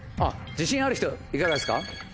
自信ある人いかがですか？